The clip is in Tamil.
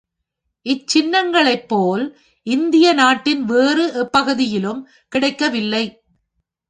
இச் சின்னங்களைப் போல் இந்திய நாட்டின் வேறு எப் பகுதியிலும் கிடைக்கவில்லை.